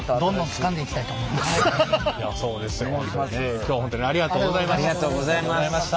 今日本当にありがとうございました。